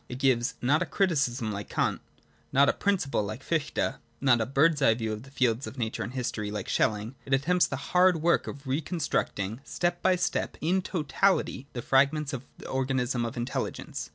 It gives not a criticism, like Kant; not a principle, like Fichte ; not a bird's eye view of the fields of nature and history, like Schelling ; it attempts the hard work of re con structing, step by step, into totality the fragments of the organism of intelligence.